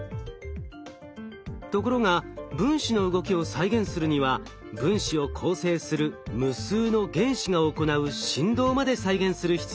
ところが分子の動きを再現するには分子を構成する無数の原子が行う振動まで再現する必要があります。